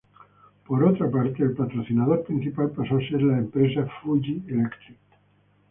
Por otra parte, el patrocinador principal pasó a ser la empresa Fuji Electric.